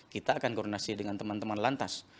kita akan koordinasi dengan teman teman lantas